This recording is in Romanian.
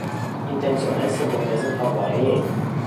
Intenționez să votez în favoarea ei.